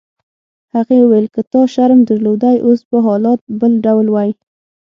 هغې وویل: که تا شرم درلودای اوس به حالات بل ډول وای.